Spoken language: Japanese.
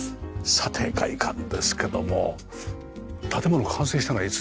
さて外観ですけども建物完成したのはいつ？